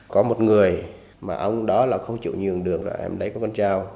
có một người mà ông đó là không chịu nhường đường là em lấy con dao